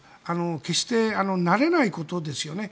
決して慣れないことですよね。